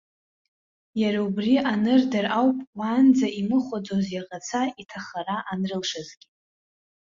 Иара убри анырдыр ауп, уаанӡа имыхәаӡоз иаӷацәа иҭархара анрылшазгьы.